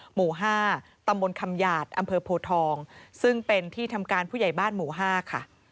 หมู่๕ตำบลคำหยาดอำเภอโพทองซึ่งเป็นที่ทำการผู้ใหญ่บ้านหมู่๕ค่ะ